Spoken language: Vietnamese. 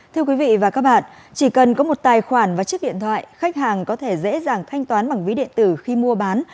thưa quý vị và các bạn chỉ cần có một tài khoản và chiếc điện thoại khách hàng có thể dễ dàng thanh toán bằng ví điện tử khi mua bán